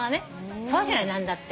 そうじゃない何だって。